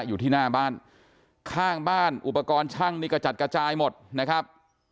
อยู่ที่หน้าบ้านข้างบ้านอุปกรณ์ช่างนี่กระจัดกระจายหมดนะครับ